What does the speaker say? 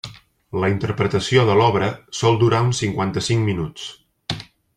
La interpretació de l'obra sol durar uns cinquanta-cinc minuts.